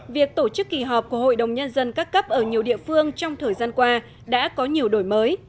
việc tổ chức kỳ họp của hội đồng nhân dân các cấp ở nhiều địa phương trong thời gian qua đã có nhiều đổi mới